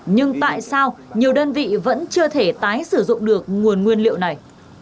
nhưng tại sao nhiều đơn vị vẫn chưa thể tái sử dụng được nguồn nguyên liệu này